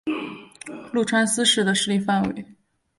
麓川思氏的势力范围。